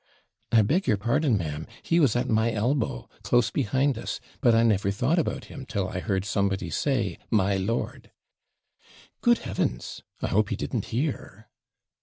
'I beg your pardon, ma'am, he was at my elbow, close behind us; but I never thought about him till I heard somebody say, "My lord "' 'Good heavens! I hope he didn't hear.'